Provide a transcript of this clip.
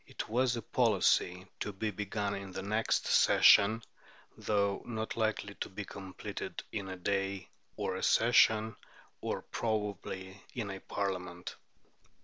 It was a policy to be begun "in the next session," though not likely to be completed "in a day, or a session, or probably in a Parliament."